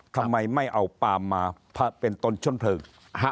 ทำไมไม่เอาปาล์มมาเป็นต้นเพลิง